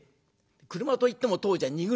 車といっても当時は荷車。